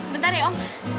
bentar ya om